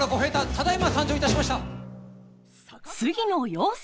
ただいま参上いたしました。